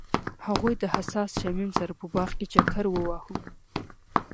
هغوی د حساس شمیم سره په باغ کې چکر وواهه.